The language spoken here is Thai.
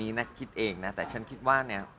ปีที่ประโยชน์อาจจะเป็นการให้โอกาส